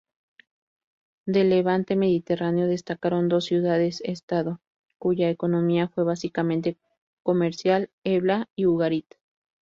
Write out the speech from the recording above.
Del Levante mediterráneo destacaron dos ciudades-estado cuya economía fue básicamente comercial: Ebla y Ugarit.